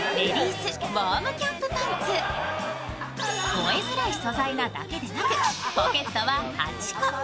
燃えづらい素材なだけでなくポケットは８個。